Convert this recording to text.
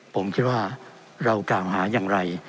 ผมคิดว่าเรากล่าวหาอย่างไร